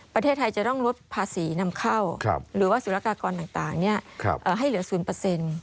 ประเทศไทยจะต้องลดภาษีนำเข้าหรือว่าสุรกากรต่างให้เหลือ๐